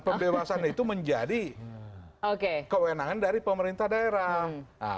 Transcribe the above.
pembebasan itu menjadi kewenangan dari pemerintah daerah